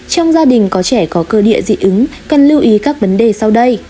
trong gia đình có trẻ có cơ địa dị ứng cần lưu ý các vấn đề sau đây